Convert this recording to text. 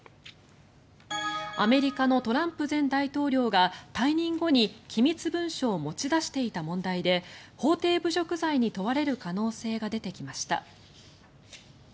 アメリカのトランプ前大統領が退任後に機密文書を持ち出していた問題で法廷侮辱罪に問われる可能性が出てきました。